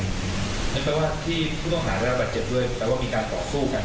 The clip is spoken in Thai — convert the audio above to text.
นั่นแปลว่าที่ผู้ต้องหาราบาดเจ็บเบื้อแปลว่ามีการต่อสู้กัน